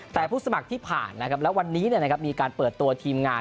แต่ผู้สมัครที่ผ่านนะครับแล้ววันนี้มีการเปิดตัวทีมงาน